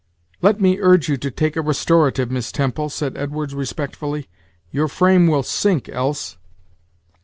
"Let me urge you to take a restorative, Miss Temple," said Edwards respectfully; "your frame will sink else."